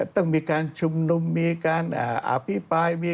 ต้องมีการชุมนุมมีการอภิปราย